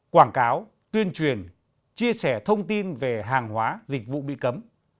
quảng cáo tuyên truyền chia sẻ thông tin về hàng hóa dịch vụ bị cấm